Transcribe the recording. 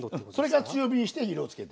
それから強火にして色をつけていく。